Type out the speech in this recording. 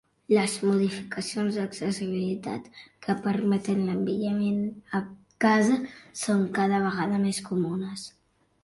Les modificacions d'accessibilitat que permeten l'envelliment a casa són cada vegada més comunes.